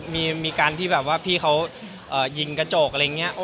มีการที่แบบว่าพี่เขายิงกระจกอะไรอย่างนี้